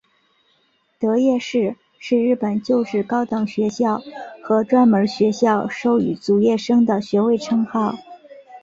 得业士是日本旧制高等学校和专门学校授与卒业生的学位称号。